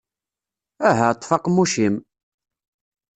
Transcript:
Aha, ṭṭef aqemmuc-im!